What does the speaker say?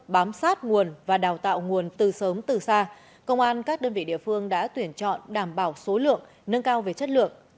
bám sát nguồn và đào tạo nguồn từ sớm từ xa công an các đơn vị địa phương đã tuyển chọn đảm bảo số lượng nâng cao về chất lượng